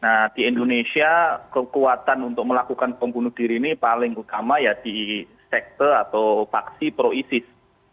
nah di indonesia kekuatan untuk melakukan bom bunuh diri ini paling utama ya di sektor atau paksi proisis